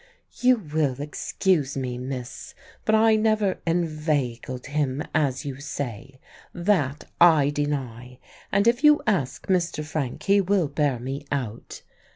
"You will excuse me, miss, but I never 'inveigled' him, as you say. That I deny; and if you ask Mr. Frank he will bear me out.